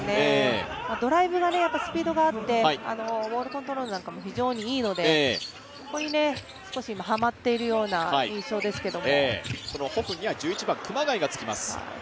ドライブがスピードがあって、ボールコントロールなんかも非常にいいので、ここに少しはまっているような印象ですけど。